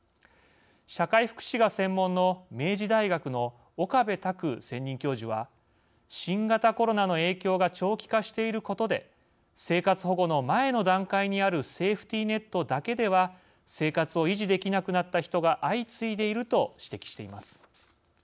社会福祉が専門の明治大学の岡部卓専任教授は新型コロナの影響が長期化していることで生活保護の前の段階にあるセーフティーネットだけでは生活を維持できなくなった人が相次いでいると指摘しています。